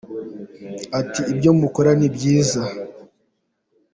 Ati “ Ibyo mukora ni byiza.